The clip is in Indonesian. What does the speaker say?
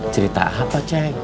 cerita apa ceng